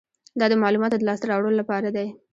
دا د معلوماتو د لاسته راوړلو لپاره دی.